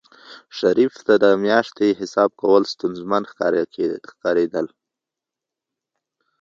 شریف ته د میاشتې حساب کول ستونزمن ښکارېدل.